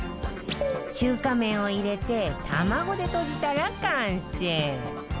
中華麺を入れて卵でとじたら完成